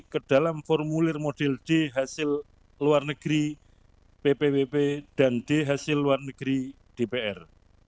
ke dalam formulir model d hasil luar negeri ppwp dan d hasil luar negeri dpr